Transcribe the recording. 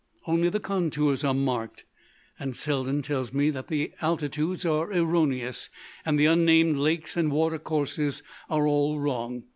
Only the contours are marked, and Selden tells me that the altitudes are erroneous and the unnamed lakes and water courses are all wrong.